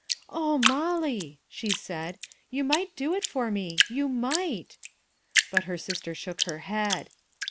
" Oh Molly," she said, " you might do it for me you might." But her sister shook her head.